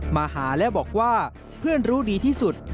มาหาและบอกว่าเพื่อนรู้ดีที่สุด